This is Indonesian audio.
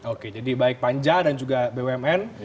oke jadi baik panja dan juga bumn